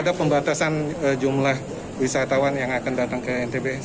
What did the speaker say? ada pembatasan jumlah wisatawan yang akan datang ke ntb